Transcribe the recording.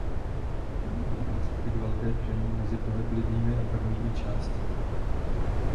To má za následek velké tření mezi pohyblivými a pevnými částmi.